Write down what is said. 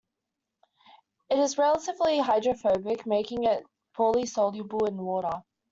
It is relatively hydrophobic, making it poorly soluble in water.